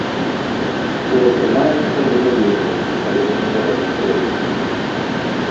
Што атрымаецца, мы не ведаем, але спрабаваць трэба.